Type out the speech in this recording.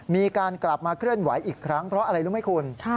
มีการกลับมาเคลื่อนไหวอีกครั้งเพราะอะไรรู้ไหมคุณ